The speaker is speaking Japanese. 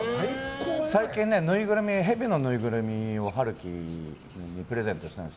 最近ヘビのぬいぐるみを陽喜にプレゼントしたんです。